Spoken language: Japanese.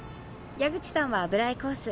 矢口さんは油絵コース